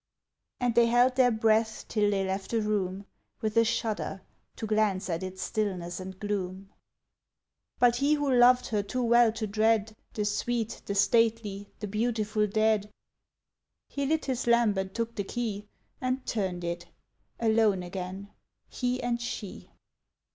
And they held their breath till they left the room, With a shudder, to glance at its stillness and gloom. But he who loved her too well to dread The sweet, the stately, the beautiful dead, He lit his lamp and took the key And turned it. Alone again he and she!